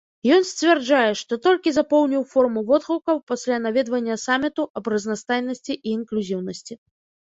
Ён сцвярджае, што толькі запоўніў форму водгукаў пасля наведвання саміту аб разнастайнасці і інклюзіўнасці.